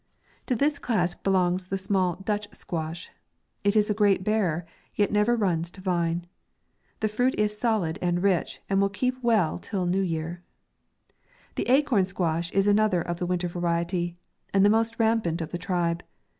To this class belongs the small Dutch squash. It is a great bearer, yet never runs to vine. The fruit is solid and rich, and will keep well till new year. The acorn squash is another of the winter variety, and the most rampant of the tribe.